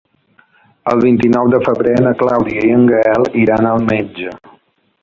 El vint-i-nou de febrer na Clàudia i en Gaël iran al metge.